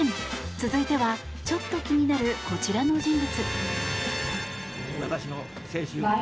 続いてはちょっと気になるこちらの人物。